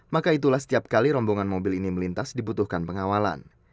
maka itulah setiap kali rombongan mobil ini melintas dibutuhkan pengawalan